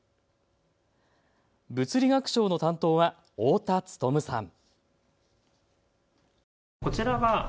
物理学賞の担当は太田努さん。